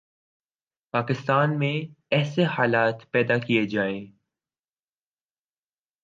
پاکستان میں ایسے حالات پیدا کئیے جائیں